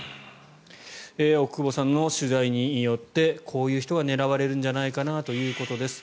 奥窪さんの取材によってこういう人が狙われるんじゃないかなということです。